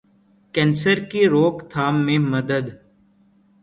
کینسرکی روک تھام میں مدد